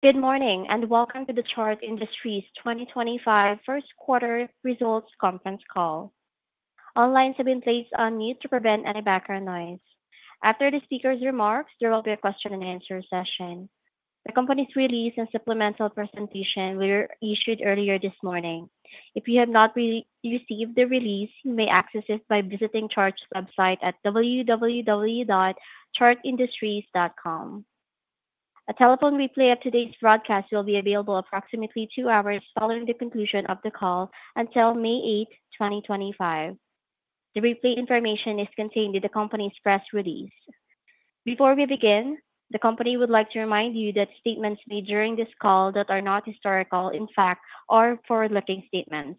Good morning and welcome to the Chart Industries 2025 first quarter results conference call. All lines have been placed on mute to prevent any background noise. After the speaker's remarks, there will be a question and answer session. The company's release and supplemental presentation were issued earlier this morning. If you have not received the release, you may access it by visiting Chart's website at www.chartindustries.com. A telephone replay of today's broadcast will be available approximately two hours following the conclusion of the call until May 8, 2025. The replay information is contained in the company's press release. Before we begin, the company would like to remind you that statements made during this call that are not historical, in fact, are forward-looking statements.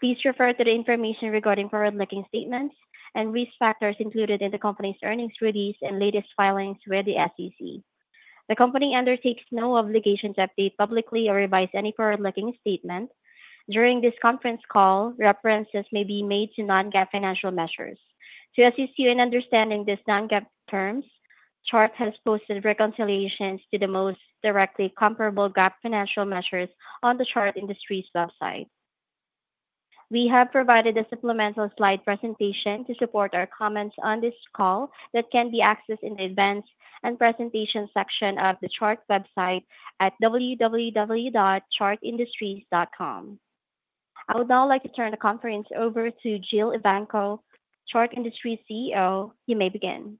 Please refer to the information regarding forward-looking statements and risk factors included in the company's earnings release and latest filings with the SEC. The company undertakes no obligations to update publicly or revise any forward-looking statement. During this conference call, references may be made to non-GAAP financial measures. To assist you in understanding these non-GAAP terms, Chart has posted reconciliations to the most directly comparable GAAP financial measures on the Chart Industries website. We have provided a supplemental slide presentation to support our comments on this call that can be accessed in the events and presentation section of the Chart website at www.chartindustries.com. I would now like to turn the conference over to Jill Evanko, Chart Industries CEO. You may begin.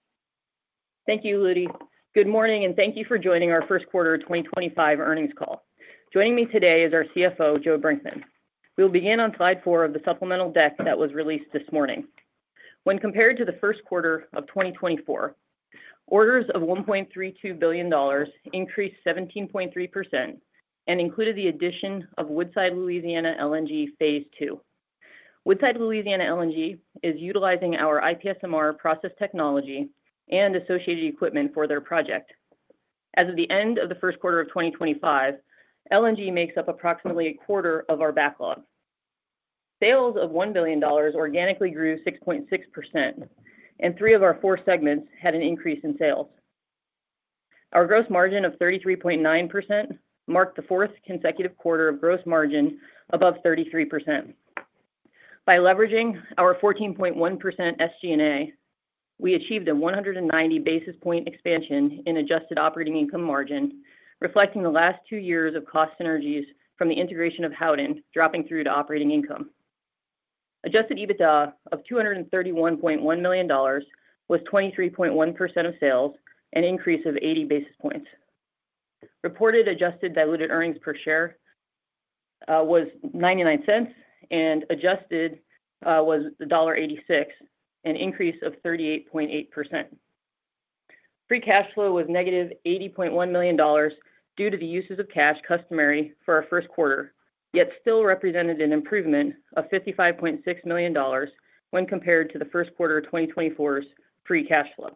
Thank you, Lydie. Good morning and thank you for joining our First Quarter 2025 earnings call. Joining me today is our CFO, Joe Brinkman. We will begin on slide four of the supplemental deck that was released this morning. When compared to the first quarter of 2024, orders of $1.32 billion increased 17.3% and included the addition of Woodside, Louisiana LNG, phase II. Woodside, Louisiana LNG is utilizing our IPSMR process technology and associated equipment for their project. As of the end of the first quarter of 2025, LNG makes up approximately a quarter of our backlog. Sales of $1 billion organically grew 6.6%, and three of our four segments had an increase in sales. Our gross margin of 33.9% marked the fourth consecutive quarter of gross margin above 33%. By leveraging our 14.1% SG&A, we achieved a 190 basis point expansion in adjusted operating income margin, reflecting the last two years of cost synergies from the integration of Howden dropping through to operating income. Adjusted EBITDA of $231.1 million was 23.1% of sales, an increase of 80 basis points. Reported adjusted diluted earnings per share was $0.99, and adjusted was $1.86, an increase of 38.8%. Free cash flow was negative $80.1 million due to the uses of cash customary for our first quarter, yet still represented an improvement of $55.6 million when compared to the first quarter of 2024's free cash flow.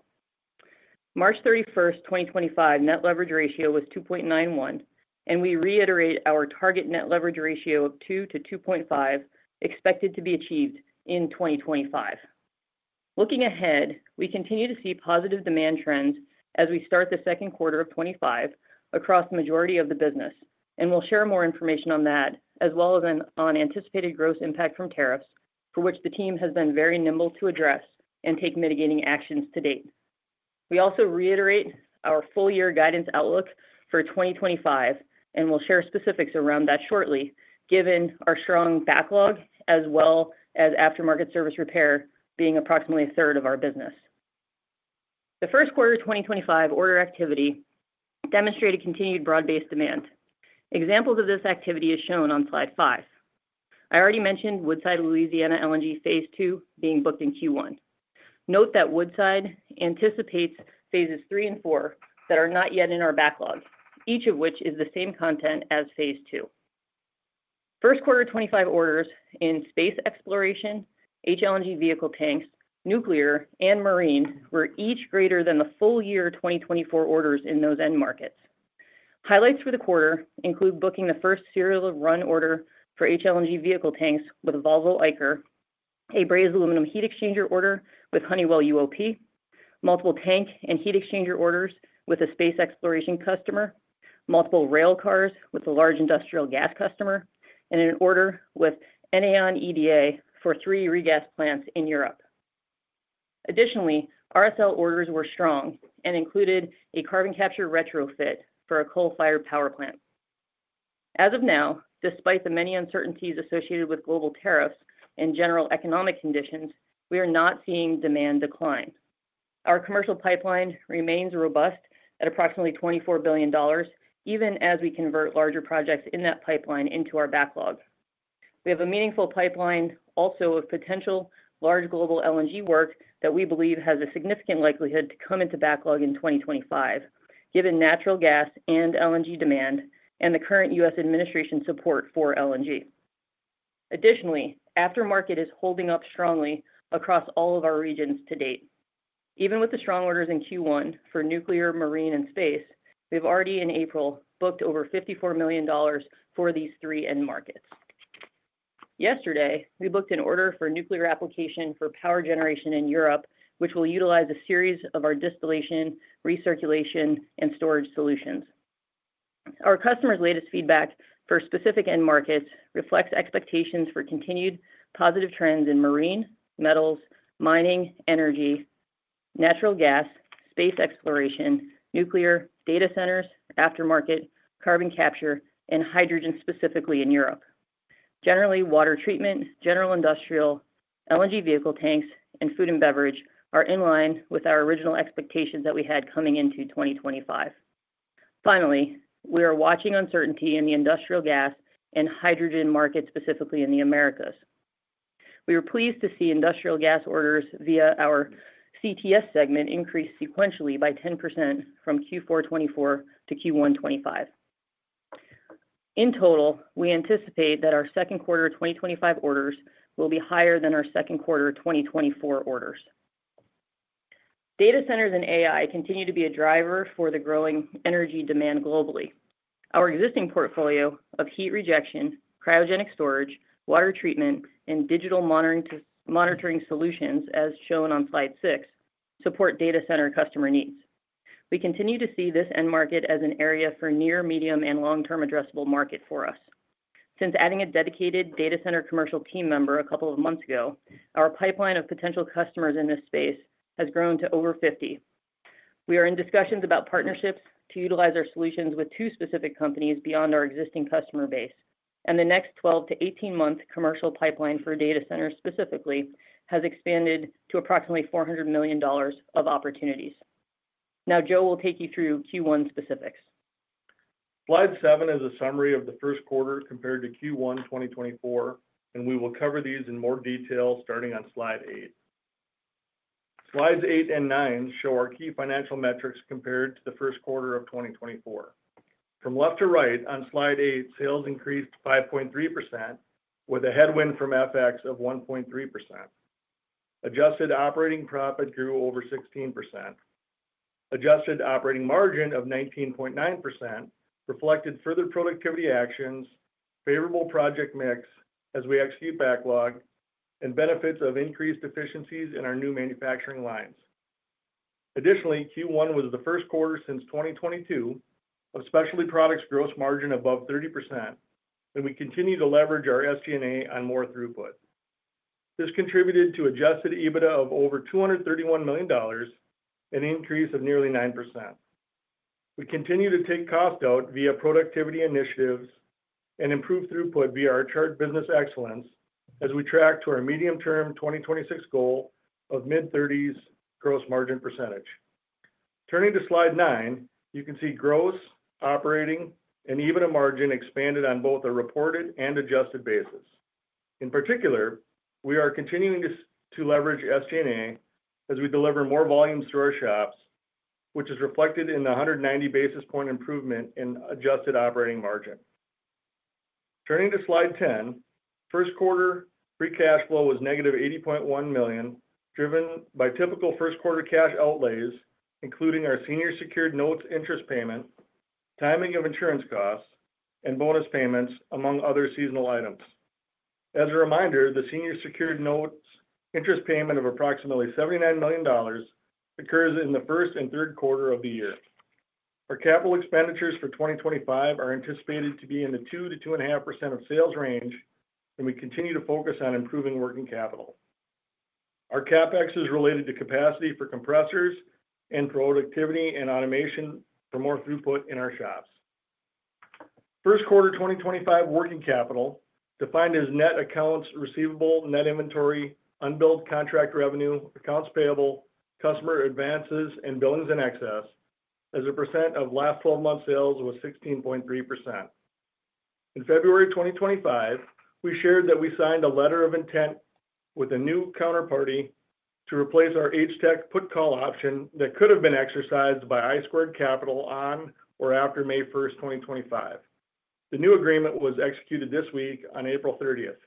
March 31st, 2025, net leverage ratio was 2.91, and we reiterate our target net leverage ratio of 2-2.5 expected to be achieved in 2025. Looking ahead, we continue to see positive demand trends as we start the second quarter of 2025 across the majority of the business, and we'll share more information on that as well as on anticipated gross impact from tariffs, for which the team has been very nimble to address and take mitigating actions to date. We also reiterate our full year guidance outlook for 2025, and we'll share specifics around that shortly, given our strong backlog, as well as aftermarket service repair being approximately a third of our business. The first quarter of 2025 order activity demonstrated continued broad-based demand. Examples of this activity are shown on slide five. I already mentioned Woodside, Louisiana LNG phase II being booked in Q1. Note that Woodside anticipates phases three and four that are not yet in our backlog, each of which is the same content as phase II. First quarter 2025 orders in space exploration, HLNG vehicle tanks, nuclear, and marine were each greater than the full year 2024 orders in those end markets. Highlights for the quarter include booking the first serial production order for HLNG vehicle tanks with Volvo-Eicher, a brazed aluminum heat exchanger order with Honeywell UOP, multiple tank and heat exchanger orders with a space exploration customer, multiple rail cars with a large industrial gas customer, and an order with Enaon EDA for three regas plants in Europe. Additionally, RSL orders were strong and included a carbon capture retrofit for a coal-fired power plant. As of now, despite the many uncertainties associated with global tariffs and general economic conditions, we are not seeing demand decline. Our commercial pipeline remains robust at approximately $24 billion, even as we convert larger projects in that pipeline into our backlog. We have a meaningful pipeline also of potential large global LNG work that we believe has a significant likelihood to come into backlog in 2025, given natural gas and LNG demand and the current U.S. administration support for LNG. Additionally, aftermarket is holding up strongly across all of our regions to date. Even with the strong orders in Q1 for nuclear, marine, and space, we have already in April booked over $54 million for these three end markets. Yesterday, we booked an order for nuclear application for power generation in Europe, which will utilize a series of our distillation, recirculation, and storage solutions. Our customers' latest feedback for specific end markets reflects expectations for continued positive trends in marine, metals, mining, energy, natural gas, space exploration, nuclear, data centers, aftermarket, carbon capture, and hydrogen specifically in Europe. Generally, water treatment, general industrial, LNG vehicle tanks, and food and beverage are in line with our original expectations that we had coming into 2025. Finally, we are watching uncertainty in the industrial gas and hydrogen market specifically in the Americas. We are pleased to see industrial gas orders via our CTS segment increase sequentially by 10% from Q4 2024 to Q1 2025. In total, we anticipate that our second quarter 2025 orders will be higher than our second quarter 2024 orders. Data centers and AI continue to be a driver for the growing energy demand globally. Our existing portfolio of heat rejection, cryogenic storage, water treatment, and digital monitoring solutions, as shown on slide six, support data center customer needs. We continue to see this end market as an area for near, medium, and long-term addressable market for us. Since adding a dedicated data center commercial team member a couple of months ago, our pipeline of potential customers in this space has grown to over 50. We are in discussions about partnerships to utilize our solutions with two specific companies beyond our existing customer base, and the next 12-18 month commercial pipeline for data centers specifically has expanded to approximately $400 million of opportunities. Now, Joe will take you through Q1 specifics. Slide seven is a summary of the first quarter compared to Q1 2024, and we will cover these in more detail starting on slide eight. Slides eight and nine show our key financial metrics compared to the first quarter of 2024. From left to right on slide eight, sales increased 5.3% with a headwind from FX of 1.3%. Adjusted operating profit grew over 16%. Adjusted operating margin of 19.9% reflected further productivity actions, favorable project mix as we execute backlog, and benefits of increased efficiencies in our new manufacturing lines. Additionally, Q1 was the first quarter since 2022 of Specialty products gross margin above 30%, and we continue to leverage our SG&A on more throughput. This contributed to adjusted EBITDA of over $231 million, an increase of nearly 9%. We continue to take cost out via productivity initiatives and improve throughput via our Chart Business Excellence as we track to our medium-term 2026 goal of mid-30s gross margin percentage. Turning to slide nine, you can see gross, operating, and EBITDA margin expanded on both a reported and adjusted basis. In particular, we are continuing to leverage SG&A as we deliver more volumes to our shops, which is reflected in the 190 basis point improvement in adjusted operating margin. Turning to slide ten, first quarter free cash flow was negative $80.1 million, driven by typical first quarter cash outlays, including our senior secured notes interest payment, timing of insurance costs, and bonus payments, among other seasonal items. As a reminder, the senior secured notes interest payment of approximately $79 million occurs in the first and third quarter of the year. Our capital expenditures for 2025 are anticipated to be in the 2-2.5% of sales range, and we continue to focus on improving working capital. Our CapEx is related to capacity for compressors and productivity and automation for more throughput in our shops. First quarter 2025 working capital defined as net accounts receivable, net inventory, unbilled contract revenue, accounts payable, customer advances, and billings in excess, as a percent of last 12 months sales was 16.3%. In February 2025, we shared that we signed a letter of intent with a new counterparty to replace our HTEC put-call option that could have been exercised by I Squared Capital on or after May 1st, 2025. The new agreement was executed this week on April 30th.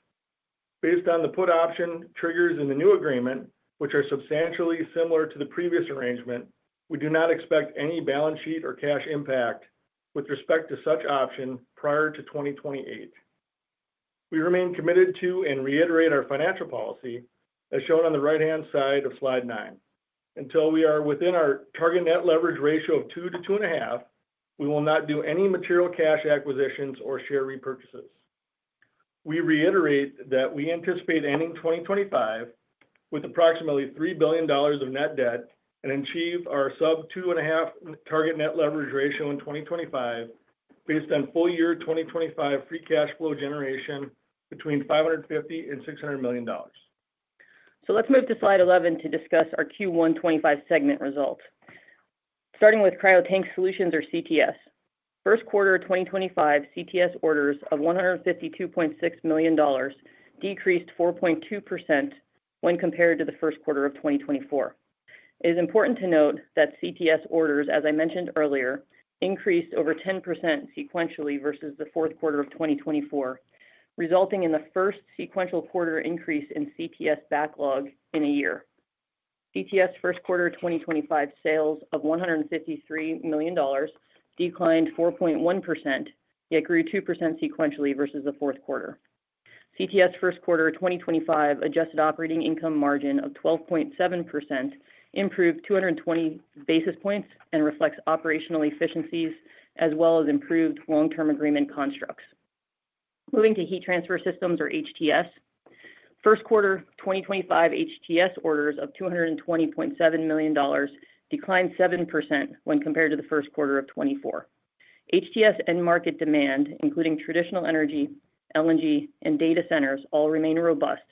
Based on the put option triggers in the new agreement, which are substantially similar to the previous arrangement, we do not expect any balance sheet or cash impact with respect to such option prior to 2028. We remain committed to and reiterate our financial policy, as shown on the right-hand side of slide nine. Until we are within our target net leverage ratio of 2-2.5, we will not do any material cash acquisitions or share repurchases. We reiterate that we anticipate ending 2025 with approximately $3 billion of net debt and achieve our sub-2.5 target net leverage ratio in 2025 based on full year 2025 free cash flow generation between $550 and $600 million. Let's move to slide 11 to discuss our Q1 2025 segment result. Starting with Cryo Tank Solutions, or CTS. First quarter 2025 CTS orders of $152.6 million decreased 4.2% when compared to the first quarter of 2024. It is important to note that CTS orders, as I mentioned earlier, increased over 10% sequentially versus the fourth quarter of 2024, resulting in the first sequential quarter increase in CTS backlog in a year. CTS first quarter 2025 sales of $153 million declined 4.1%, yet grew 2% sequentially versus the fourth quarter. CTS first quarter 2025 adjusted operating income margin of 12.7% improved 220 basis points and reflects operational efficiencies as well as improved long-term agreement constructs. Moving to Heat Transfer Systems, or HTS. First quarter 2025 HTS orders of $220.7 million declined 7% when compared to the first quarter of 2024. HTS end market demand, including traditional energy, LNG, and data centers, all remain robust,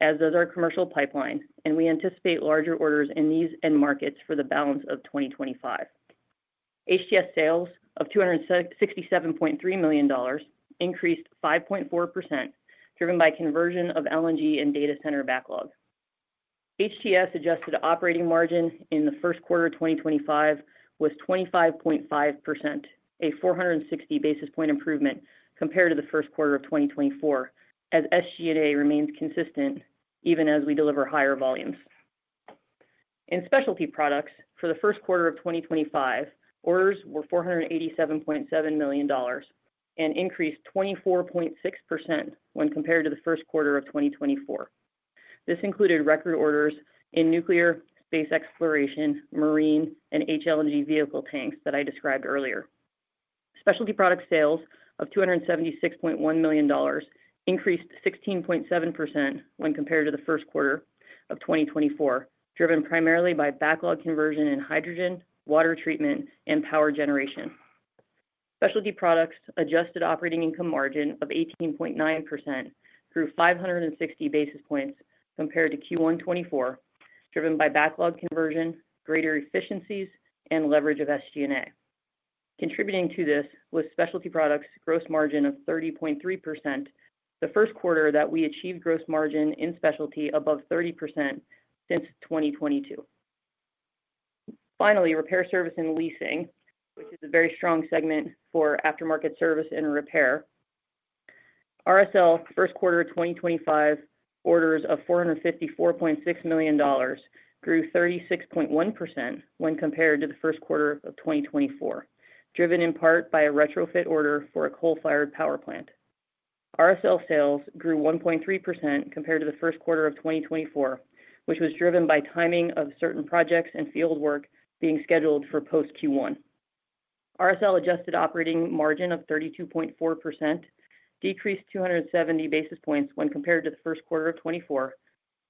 as does our commercial pipeline, and we anticipate larger orders in these end markets for the balance of 2025. HTS sales of $267.3 milli`on increased 5.4%, driven by conversion of LNG and data center backlog. HTS adjusted operating margin in the first quarter 2025 was 25.5%, a 460 basis point improvement compared to the first quarter of 2024, as SG&A remains consistent even as we deliver higher volumes. In specialty products, for the first quarter of 2025, orders were $487.7 million and increased 24.6% when compared to the first quarter of 2024. This included record orders in nuclear, space exploration, marine, and HLNG vehicle tanks that I described earlier. Specialty product sales of $276.1 million increased 16.7% when compared to the first quarter of 2024, driven primarily by backlog conversion in hydrogen, water treatment, and power generation. Specialty products adjusted operating income margin of 18.9% grew 560 basis points compared to Q1 2024, driven by backlog conversion, greater efficiencies, and leverage of SG&A. Contributing to this was specialty products gross margin of 30.3%, the first quarter that we achieved gross margin in specialty above 30% since 2022. Finally, repair service and leasing, which is a very strong segment for aftermarket service and repair. RSL first quarter 2025 orders of $454.6 million grew 36.1% when compared to the first quarter of 2024, driven in part by a retrofit order for a coal-fired power plant. RSL sales grew 1.3% compared to the first quarter of 2024, which was driven by timing of certain projects and fieldwork being scheduled for post-Q1. RSL adjusted operating margin of 32.4% decreased 270 basis points when compared to the first quarter of 2024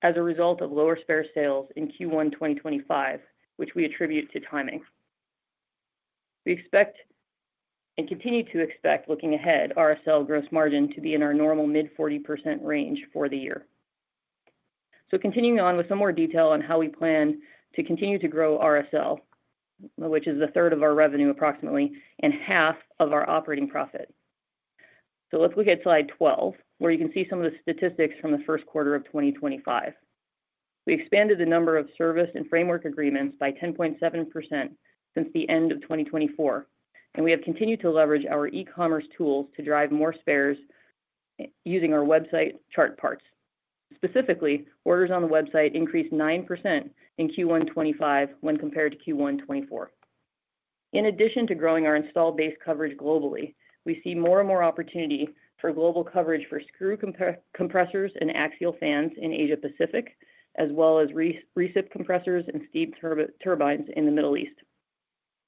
as a result of lower spare sales in Q1 2025, which we attribute to timing. We expect and continue to expect, looking ahead, RSL gross margin to be in our normal mid-40% range for the year. Continuing on with some more detail on how we plan to continue to grow RSL, which is a third of our revenue approximately and half of our operating profit. Let's look at slide 12, where you can see some of the statistics from the first quarter of 2025. We expanded the number of service and framework agreements by 10.7% since the end of 2024, and we have continued to leverage our e-commerce tools to drive more spares using our website chartParts. Specifically, orders on the website increased 9% in Q1 2025 when compared to Q1 2024. In addition to growing our install-based coverage globally, we see more and more opportunity for global coverage for screw compressors and axial fans in Asia-Pacific, as well as recip compressors and steam turbines in the Middle East.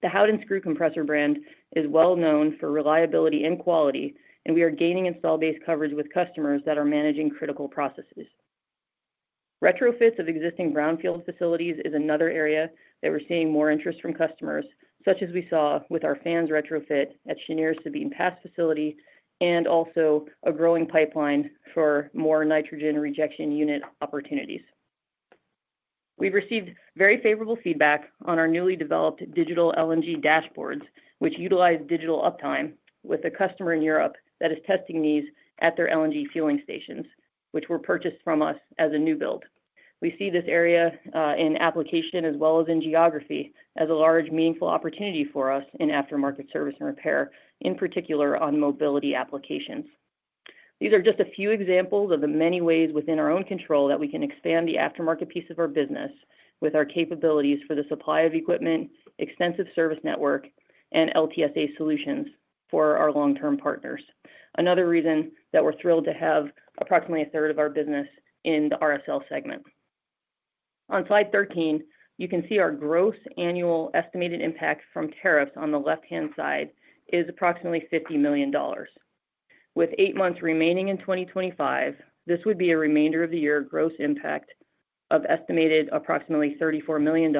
The Howden Screw Compressor brand is well known for reliability and quality, and we are gaining install-based coverage with customers that are managing critical processes. Retrofits of existing brownfield facilities is another area that we're seeing more interest from customers, such as we saw with our fans retrofit at Cheniere Sabine Pass facility and also a growing pipeline for more nitrogen rejection unit opportunities. We've received very favorable feedback on our newly developed digital LNG dashboards, which utilize Digital Uptime with a customer in Europe that is testing these at their LNG fueling stations, which were purchased from us as a new build. We see this area in application as well as in geography as a large, meaningful opportunity for us in aftermarket service and repair, in particular on mobility applications. These are just a few examples of the many ways within our own control that we can expand the aftermarket piece of our business with our capabilities for the supply of equipment, extensive service network, and LTSA solutions for our long-term partners. Another reason that we're thrilled to have approximately a third of our business in the RSL segment. On slide 13, you can see our gross annual estimated impact from tariffs on the left-hand side is approximately $50 million. With eight months remaining in 2025, this would be a remainder of the year gross impact of estimated approximately $34 million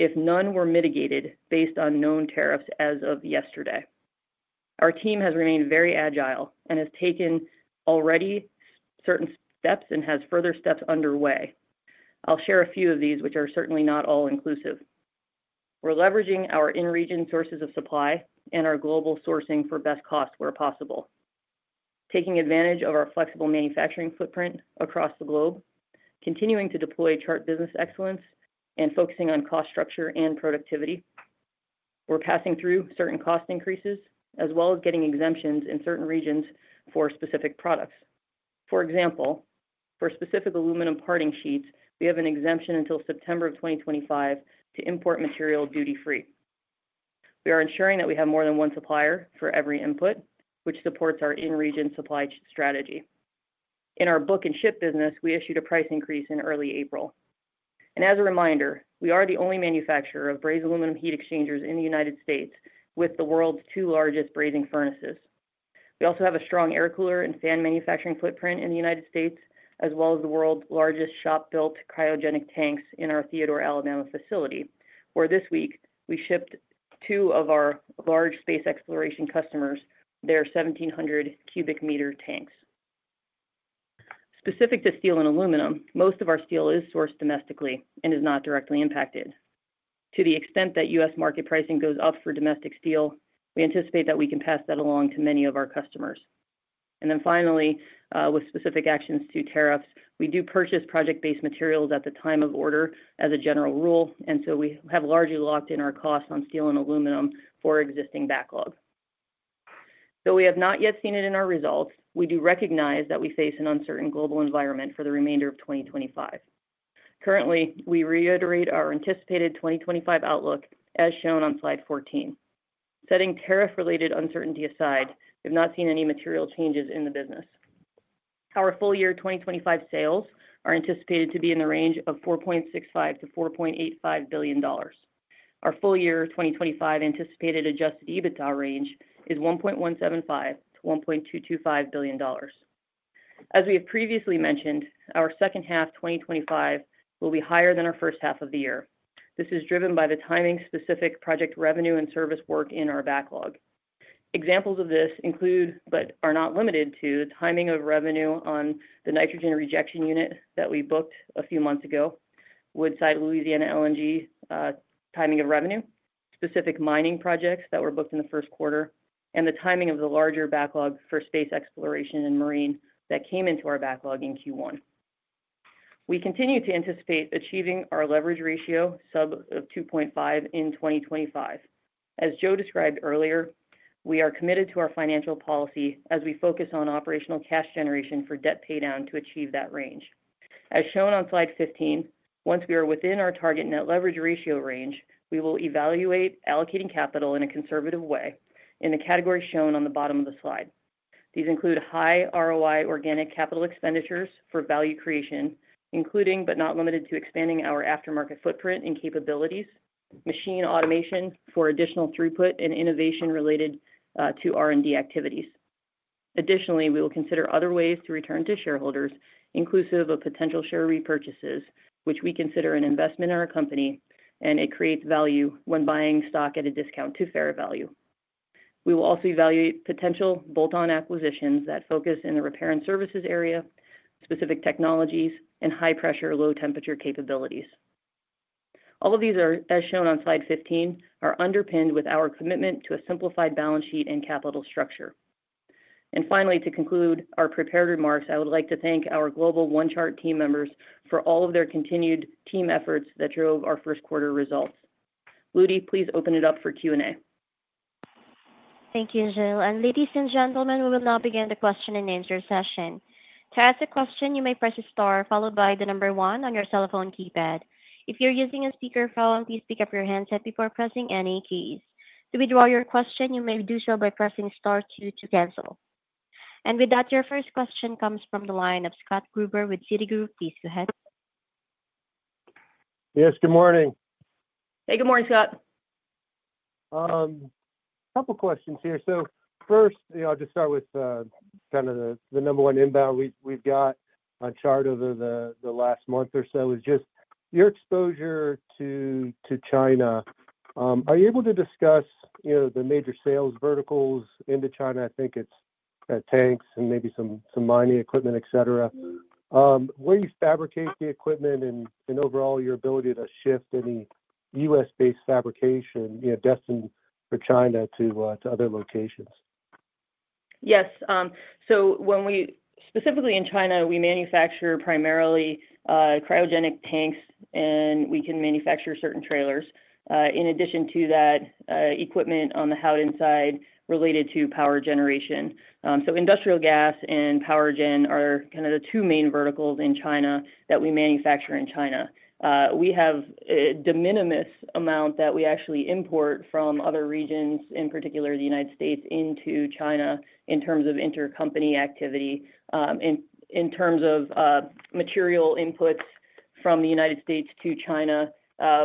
if none were mitigated based on known tariffs as of yesterday. Our team has remained very agile and has taken already certain steps and has further steps underway. I'll share a few of these, which are certainly not all inclusive. We're leveraging our in-region sources of supply and our global sourcing for best costs where possible, taking advantage of our flexible manufacturing footprint across the globe, continuing to deploy Chart business excellence, and focusing on cost structure and productivity. We're passing through certain cost increases as well as getting exemptions in certain regions for specific products. For example, for specific aluminum parting sheets, we have an exemption until September of 2025 to import material duty-free. We are ensuring that we have more than one supplier for every input, which supports our in-region supply strategy. In our book-and-ship business, we issued a price increase in early April. As a reminder, we are the only manufacturer of brazed aluminum heat exchangers in the United States, with the world's two largest brazing furnaces. We also have a strong air cooler and fan manufacturing footprint in the United States, as well as the world's largest shop-built cryogenic tanks in our Theodore, Alabama facility, where this week we shipped two of our large space exploration customers their 1,700 cubic meter tanks. Specific to steel and aluminum, most of our steel is sourced domestically and is not directly impacted. To the extent that U.S. market pricing goes up for domestic steel, we anticipate that we can pass that along to many of our customers. Finally, with specific actions to tariffs, we do purchase project-based materials at the time of order as a general rule, and so we have largely locked in our costs on steel and aluminum for existing backlog. Though we have not yet seen it in our results, we do recognize that we face an uncertain global environment for the remainder of 2025. Currently, we reiterate our anticipated 2025 outlook as shown on slide 14. Setting tariff-related uncertainty aside, we have not seen any material changes in the business. Our full year 2025 sales are anticipated to be in the range of $4.65 billion-$4.85 billion. Our full year 2025 anticipated adjusted EBITDA range is $1.175 billion-$1.225 billion. As we have previously mentioned, our second half 2025 will be higher than our first half of the year. This is driven by the timing-specific project revenue and service work in our backlog. Examples of this include, but are not limited to, the timing of revenue on the nitrogen rejection unit that we booked a few months ago, Woodside Louisiana LNG timing of revenue, specific mining projects that were booked in the first quarter, and the timing of the larger backlog for space exploration and marine that came into our backlog in Q1. We continue to anticipate achieving our leverage ratio sub of 2.5 in 2025. As Joe described earlier, we are committed to our financial policy as we focus on operational cash generation for debt paydown to achieve that range. As shown on slide 15, once we are within our target net leverage ratio range, we will evaluate allocating capital in a conservative way in the category shown on the bottom of the slide. These include high ROI organic capital expenditures for value creation, including but not limited to expanding our aftermarket footprint and capabilities, machine automation for additional throughput and innovation related to R&D activities. Additionally, we will consider other ways to return to shareholders, inclusive of potential share repurchases, which we consider an investment in our company and it creates value when buying stock at a discount to fair value. We will also evaluate potential bolt-on acquisitions that focus in the repair and services area, specific technologies, and high-pressure, low-temperature capabilities. All of these are, as shown on slide 15, underpinned with our commitment to a simplified balance sheet and capital structure. Finally, to conclude our prepared remarks, I would like to thank our global OneChart team members for all of their continued team efforts that drove our first quarter results. Lydie, please open it up for Q&A. Thank you, Jill. Ladies and gentlemen, we will now begin the question and answer session. To ask a question, you may press the star followed by the number one on your cell phone keypad. If you're using a speakerphone, please pick up your handset before pressing any keys. To withdraw your question, you may do so by pressing star two to cancel. With that, your first question comes from the line of Scott Gruber with Citigroup. Please go ahead. Yes, good morning. Hey, good morning, Scott. A couple of questions here. First, I'll just start with kind of the number one inbound we've got on Chart over the last month or so is just your exposure to China. Are you able to discuss the major sales verticals into China? I think it's tanks and maybe some mining equipment, et cetera. Where you fabricate the equipment and overall your ability to shift any U.S. based fabrication destined for China to other locations? Yes. Specifically in China, we manufacture primarily cryogenic tanks, and we can manufacture certain trailers. In addition to that, equipment on the Howden side related to power generation. Industrial gas and power gen are kind of the two main verticals in China that we manufacture in China. We have a de minimis amount that we actually import from other regions, in particular the United States, into China in terms of intercompany activity. In terms of material inputs from the United States to China,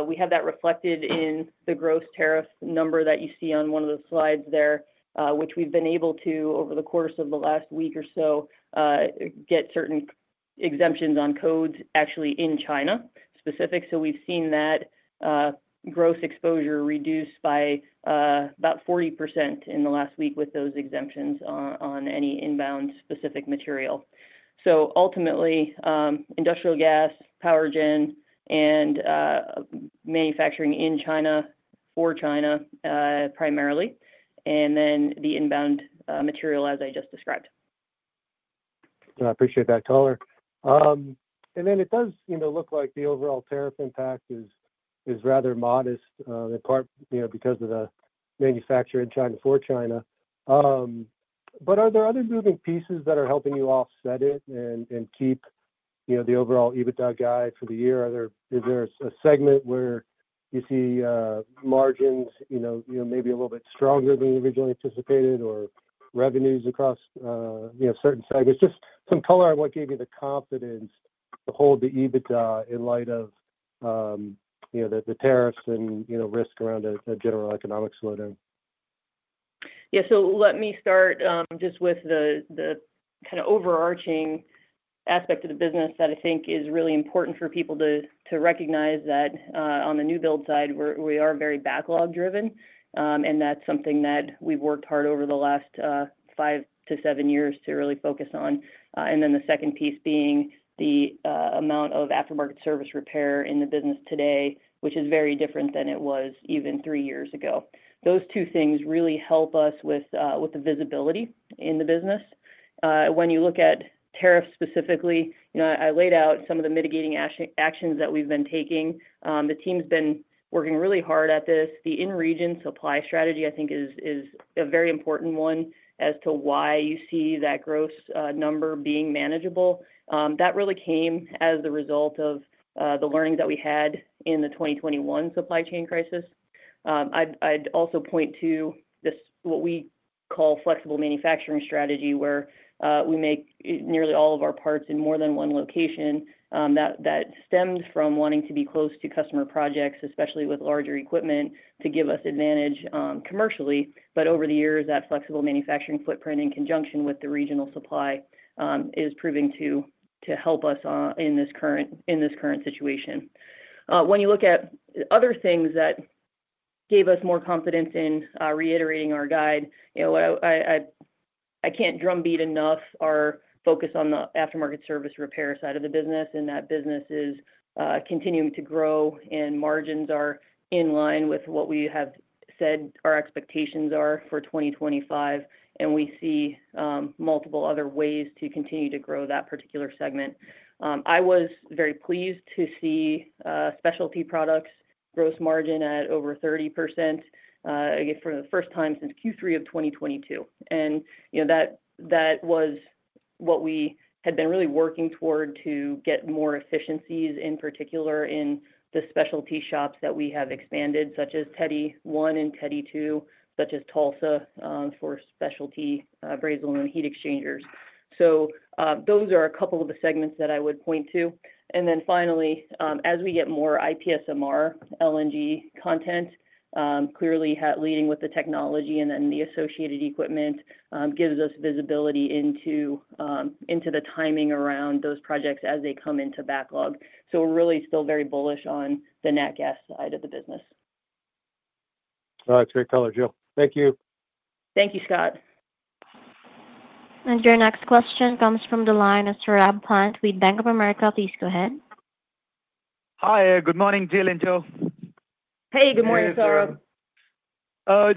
we have that reflected in the gross tariff number that you see on one of the slides there, which we have been able to, over the course of the last week or so, get certain exemptions on codes actually in China specific. We have seen that gross exposure reduced by about 40% in the last week with those exemptions on any inbound specific material. Ultimately, industrial gas, power gen, and manufacturing in China for China primarily, and then the inbound material as I just described. I appreciate that, color. It does look like the overall tariff impact is rather modest in part because of the manufacturer in China for China. Are there other moving pieces that are helping you offset it and keep the overall EBITDA guide for the year? Is there a segment where you see margins maybe a little bit stronger than you originally anticipated or revenues across certain segments? Just some color on what gave you the confidence to hold the EBITDA in light of the tariffs and risk around a general economic slowdown? Yeah. Let me start just with the kind of overarching aspect of the business that I think is really important for people to recognize that on the new build side, we are very backlog-driven, and that's something that we've worked hard over the last five to seven years to really focus on. The second piece being the amount of aftermarket service repair in the business today, which is very different than it was even three years ago. Those two things really help us with the visibility in the business. When you look at tariffs specifically, I laid out some of the mitigating actions that we've been taking. The team's been working really hard at this. The in-region supply strategy, I think, is a very important one as to why you see that gross number being manageable. That really came as the result of the learnings that we had in the 2021 supply chain crisis. I'd also point to what we call flexible manufacturing strategy, where we make nearly all of our parts in more than one location. That stemmed from wanting to be close to customer projects, especially with larger equipment, to give us advantage commercially. Over the years, that flexible manufacturing footprint in conjunction with the regional supply is proving to help us in this current situation. When you look at other things that gave us more confidence in reiterating our guide, I can't drumbeat enough our focus on the aftermarket service repair side of the business, and that business is continuing to grow, and margins are in line with what we have said our expectations are for 2025, and we see multiple other ways to continue to grow that particular segment. I was very pleased to see specialty products gross margin at over 30% for the first time since Q3 of 2022. That was what we had been really working toward to get more efficiencies, in particular in the specialty shops that we have expanded, such as Teddy One and Teddy Two, such as Tulsa for specialty brazed aluminum heat exchangers. Those are a couple of the segments that I would point to. Finally, as we get more IPSMR LNG content, clearly leading with the technology and then the associated equipment gives us visibility into the timing around those projects as they come into backlog. We are really still very bullish on the net gas side of the business. All right. Great, color, Jill. Thank you. Thank you, Scott. Your next question comes from the line of Saurabh Pant with Bank of America. Please go ahead. Hi. Good morning, Jill and Joe. Hey, good morning, Saurabh. Good morning, Saurabh.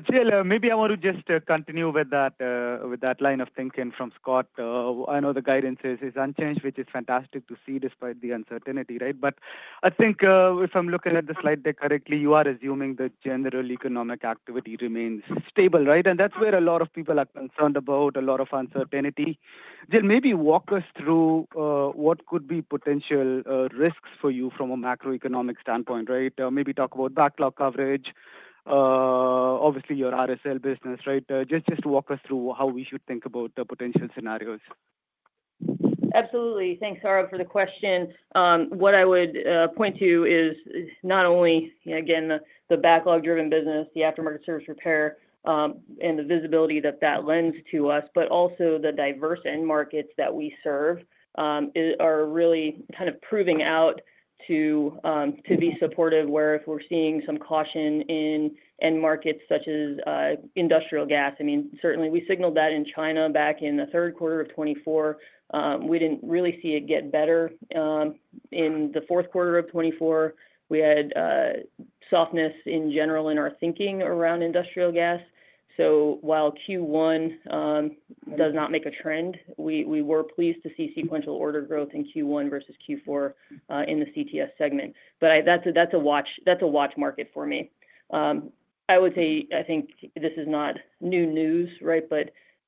Jill, maybe I want to just continue with that line of thinking from Scott. I know the guidance is unchanged, which is fantastic to see despite the uncertainty, right? I think if I'm looking at the slide deck correctly, you are assuming that general economic activity remains stable, right? That's where a lot of people are concerned about a lot of uncertainty. Jill, maybe walk us through what could be potential risks for you from a macroeconomic standpoint, right? Maybe talk about backlog coverage. Obviously, your RSL business, right? Just walk us through how we should think about potential scenarios. Absolutely. Thanks, Saurabh, for the question. What I would point to is not only, again, the backlog-driven business, the aftermarket service repair, and the visibility that that lends to us, but also the diverse end markets that we serve are really kind of proving out to be supportive where if we're seeing some caution in end markets such as industrial gas. I mean, certainly, we signaled that in China back in the third quarter of 2024. We did not really see it get better. In the fourth quarter of 2024, we had softness in general in our thinking around industrial gas. While Q1 does not make a trend, we were pleased to see sequential order growth in Q1 versus Q4 in the CTS segment. That is a watch market for me. I would say, I think this is not new news, right?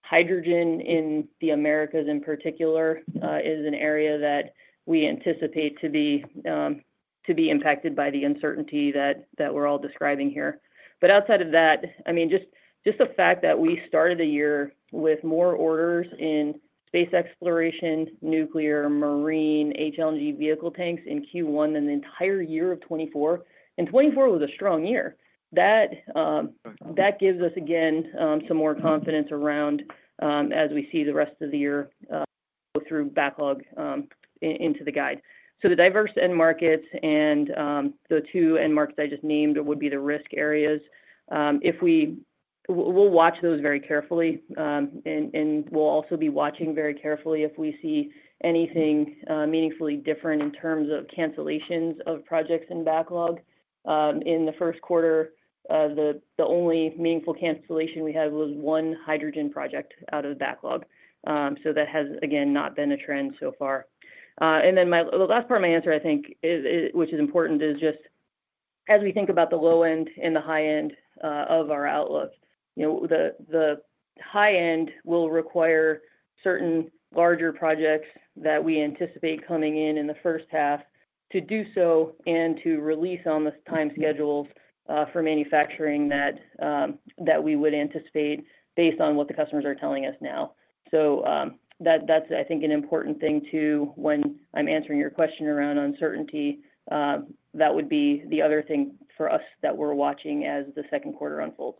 Hydrogen in the Americas in particular is an area that we anticipate to be impacted by the uncertainty that we're all describing here. Outside of that, I mean, just the fact that we started the year with more orders in space exploration, nuclear, marine, HLNG vehicle tanks in Q1 than the entire year of 2024. And 2024 was a strong year. That gives us, again, some more confidence around as we see the rest of the year go through backlog into the guide. The diverse end markets and the two end markets I just named would be the risk areas. We'll watch those very carefully, and we'll also be watching very carefully if we see anything meaningfully different in terms of cancellations of projects in backlog. In the first quarter, the only meaningful cancellation we had was one hydrogen project out of backlog. That has, again, not been a trend so far. The last part of my answer, I think, which is important, is just as we think about the low end and the high end of our outlook, the high end will require certain larger projects that we anticipate coming in in the first half to do so and to release on the time schedules for manufacturing that we would anticipate based on what the customers are telling us now. That is, I think, an important thing too when I'm answering your question around uncertainty. That would be the other thing for us that we're watching as the second quarter unfolds.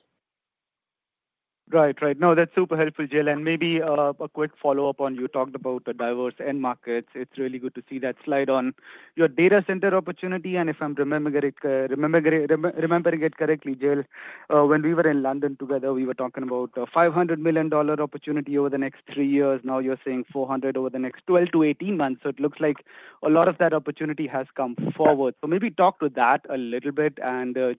Right, right. No, that's super helpful, Jill. Maybe a quick follow-up on you talked about the diverse end markets. It's really good to see that slide on your data center opportunity. If I'm remembering it correctly, Jill, when we were in London together, we were talking about a $500 million opportunity over the next three years. Now you're saying $400 million over the next 12-18 months. It looks like a lot of that opportunity has come forward. Maybe talk to that a little bit.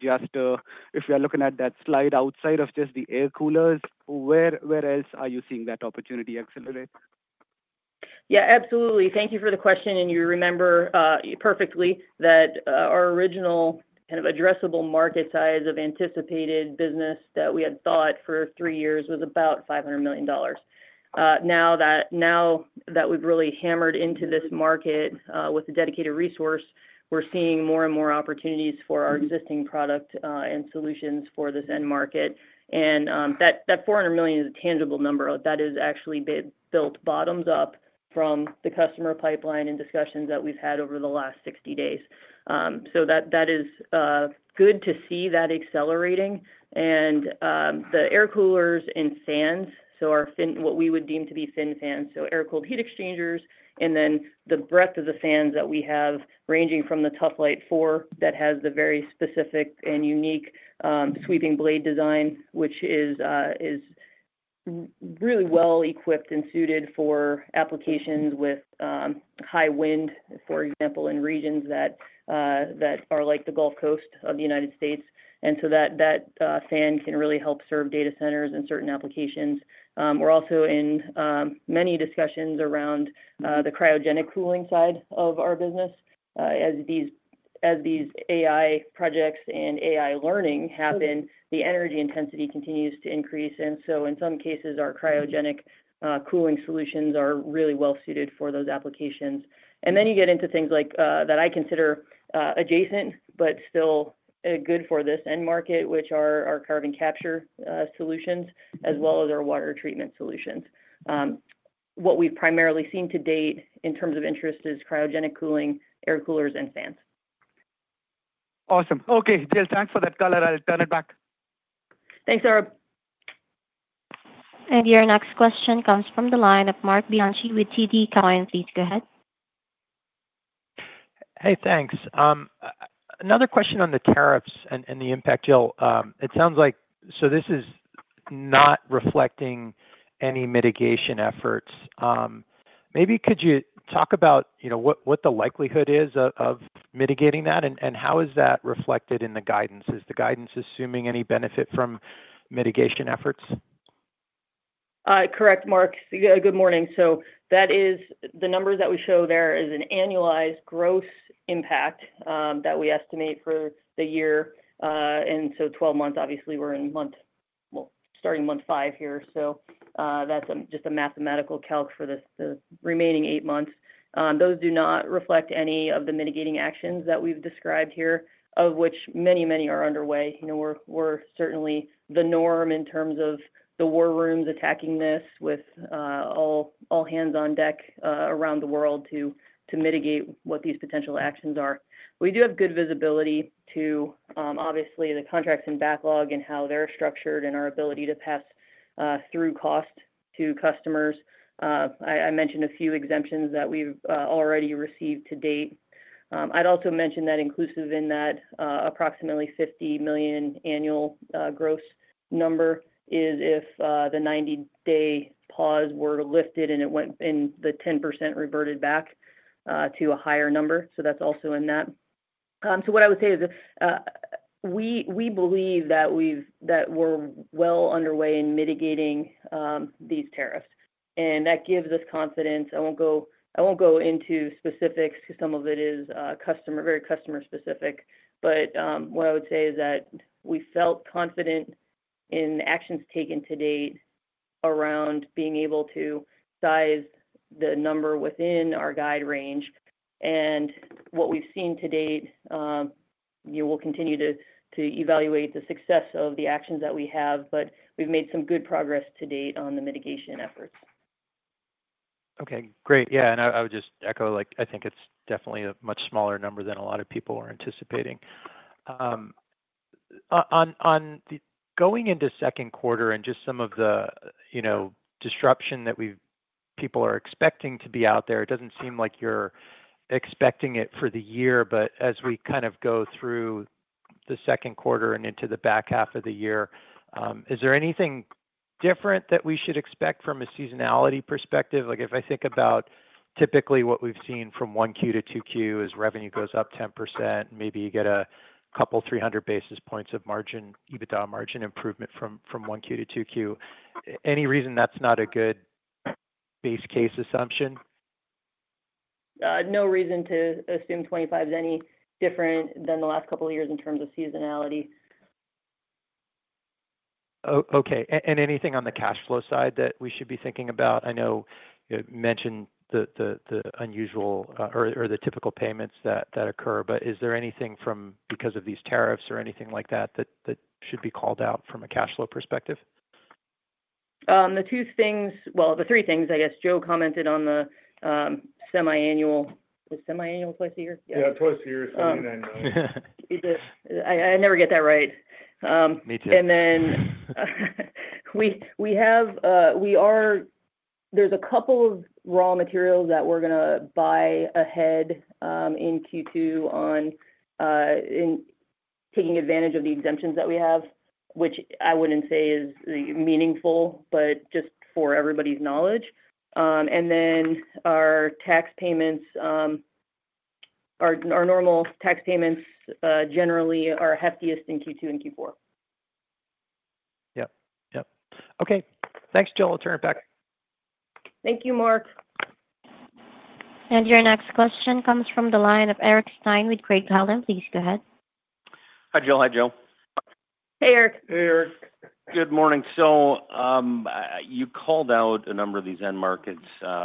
Just if you're looking at that slide outside of just the air coolers, where else are you seeing that opportunity accelerate? Yeah, absolutely. Thank you for the question. You remember perfectly that our original kind of addressable market size of anticipated business that we had thought for three years was about $500 million. Now that we have really hammered into this market with a dedicated resource, we are seeing more and more opportunities for our existing product and solutions for this end market. That $400 million is a tangible number. That is actually built bottoms up from the customer pipeline and discussions that we have had over the last 60 days. That is good to see that accelerating. The air coolers and fans, so what we would deem to be fin fans, so air-cooled heat exchangers, and then the breadth of the fans that we have ranging from the Tuf-Lite IV that has the very specific and unique sweeping blade design, which is really well equipped and suited for applications with high wind, for example, in regions that are like the Gulf Coast of the United States. That fan can really help serve data centers and certain applications. We're also in many discussions around the cryogenic cooling side of our business. As these AI projects and AI learning happen, the energy intensity continues to increase. In some cases, our cryogenic cooling solutions are really well suited for those applications. You get into things that I consider adjacent but still good for this end market, which are our carbon capture solutions as well as our water treatment solutions. What we've primarily seen to date in terms of interest is cryogenic cooling, air coolers, and fans. Awesome. Okay, Jill, thanks for the color. I'll turn it back. Thanks, Saurabh. Your next question comes from the line of Marc Bianchi with TD Cowen. Please go ahead. Hey, thanks. Another question on the tariffs and the impact, Jill. It sounds like this is not reflecting any mitigation efforts. Maybe could you talk about what the likelihood is of mitigating that, and how is that reflected in the guidance? Is the guidance assuming any benefit from mitigation efforts? Correct, Marc. Good morning. The numbers that we show there is an annualized gross impact that we estimate for the year. Twelve months, obviously, we're in month starting month five here. That's just a mathematical calc. for the remaining eight months. Those do not reflect any of the mitigating actions that we've described here, of which many, many are underway. We're certainly the norm in terms of the war rooms attacking this with all hands on deck around the world to mitigate what these potential actions are. We do have good visibility to, obviously, the contracts in backlog and how they're structured and our ability to pass through cost to customers. I mentioned a few exemptions that we've already received to date. I'd also mention that inclusive in that approximately $50 million annual gross number is if the 90-day pause were lifted and the 10% reverted back to a higher number. That is also in that. What I would say is we believe that we're well underway in mitigating these tariffs. That gives us confidence. I won't go into specifics. Some of it is very customer-specific. What I would say is that we felt confident in actions taken to date around being able to size the number within our guide range. What we've seen to date, we'll continue to evaluate the success of the actions that we have, but we've made some good progress to date on the mitigation efforts. Okay, great. Yeah. I would just echo, I think it's definitely a much smaller number than a lot of people are anticipating. Going into second quarter and just some of the disruption that people are expecting to be out there, it doesn't seem like you're expecting it for the year. As we kind of go through the second quarter and into the back half of the year, is there anything different that we should expect from a seasonality perspective? If I think about typically what we've seen from 1Q to 2Q as revenue goes up 10%, maybe you get a couple of 300 basis points of margin, EBITDA margin improvement from 1Q to 2Q. Any reason that's not a good base case assumption? No reason to assume 2025 is any different than the last couple of years in terms of seasonality. Okay. Anything on the cash flow side that we should be thinking about? I know you mentioned the unusual or the typical payments that occur, but is there anything because of these tariffs or anything like that that should be called out from a cash flow perspective? The two things, well, the three things, I guess Joe commented on the semiannual. Is semiannual twice a year? Yeah, twice a year. I never get that right. Me too. There are a couple of raw materials that we're going to buy ahead in Q2 on taking advantage of the exemptions that we have, which I wouldn't say is meaningful, but just for everybody's knowledge. Our tax payments, our normal tax payments generally are heftiest in Q2 and Q4. Yep. Okay. Thanks, Jill. I'll turn it back. Thank you, Marc. Your next question comes from the line of Eric Stine with Craig-Hallum. Please go ahead. Hi, Jill. Hi, Joe. Hey, Eric. Hey, Eric. Good morning. You called out a number of these end markets where